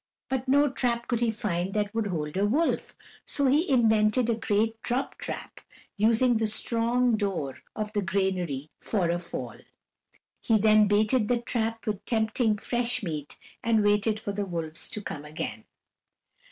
But no trap could he find that would hold a wolf, so he invented a great drop trap, using the strong door of the granary for a fall. He then baited the trap with tempting fresh meat and waited for the wolves to come again.